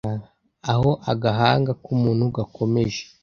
Aho agahanga kumuntu gakomeje